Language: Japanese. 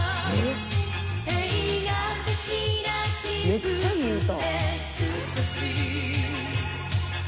めっちゃいい歌。